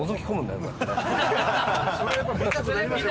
それはやっぱ見たくなりますよ